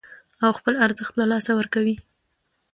او خپل ارزښت له لاسه ورکوي